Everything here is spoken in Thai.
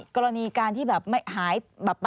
กรณีการที่แบบ